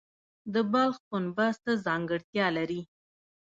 د بلخ پنبه څه ځانګړتیا لري؟